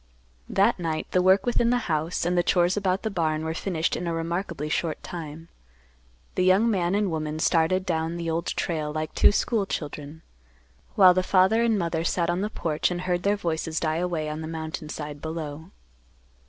That night the work within the house and the chores about the barn were finished in a remarkably short time. The young man and woman started down the Old Trail like two school children, while the father and mother sat on the porch and heard their voices die away on the mountain side below.